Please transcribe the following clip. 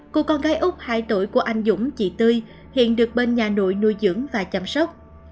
cô con gái úc hai tuổi của anh dũng chị tươi hiện được bên nhà nội nuôi dưỡng và chăm sóc